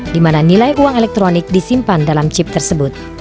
di mana nilai uang elektronik disimpan dalam chip tersebut